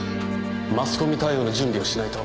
マスコミ対応の準備をしないと。